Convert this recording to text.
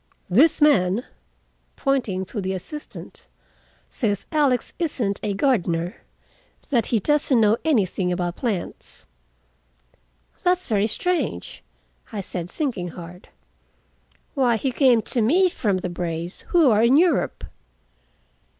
"This man," pointing to the assistant, "says Alex isn't a gardener. That he doesn't know anything about plants." "That's very strange," I said, thinking hard. "Why, he came to me from the Brays, who are in Europe."